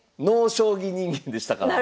ＮＯ将棋人間でしたから。